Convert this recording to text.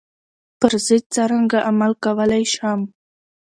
پر ضد څرنګه عمل کولای شم.